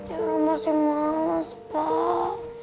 ya orang masih malas pak